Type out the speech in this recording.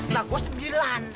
nah gue sembilan